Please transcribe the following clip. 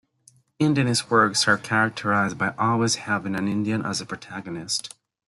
Indianist works are characterized by always having an Indian as the protagonist.